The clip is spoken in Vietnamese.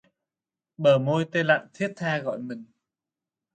Bờ môi tê lạnh thiết tha gọi mình